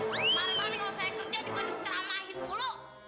mari mari kalo saya kerja juga diceramahin mulu